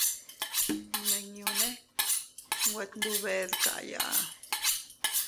Nminñune nwe tndube dkaya.